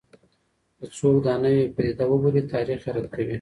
که څوک دا نوې پدیده وبولي، تاریخ یې رد کوي.